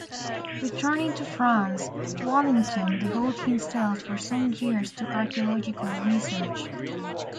Returning to France, Waddington devoted himself for some years to archaeological research.